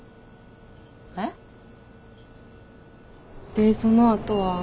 でそのあとは？